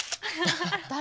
誰？